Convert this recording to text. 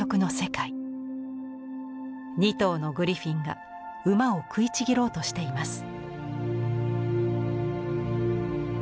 ２頭のグリフィンが馬を食いちぎろうとしています。